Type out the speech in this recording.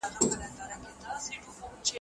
حقوق الله به کله معاف سي؟